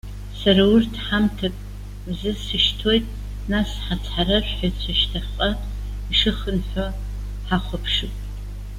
Сара урҭ, ҳамҭак рзысышьҭуеит, нас ҳацҳаражәҳәаҩцәа шьҭахьҟа ишыхынҳәуа ҳахәаԥшып.